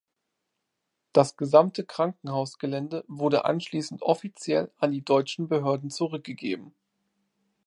Das gesamte Krankenhausgelände wurde anschließend offiziell an die deutschen Behörden zurückgegeben.